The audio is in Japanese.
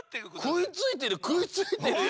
くいついてるくいついてるよ。